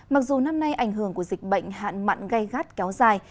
mặc dù năm nay ảnh hưởng của dịch bệnh hạn mặn gây gắt kéo dài